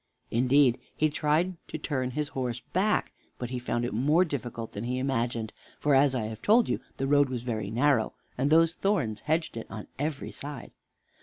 Indeed, he tried to turn his horse back; but he found it more difficult than he imagined, for, as I have told you, the road was very narrow and those thorns hedged it on every side.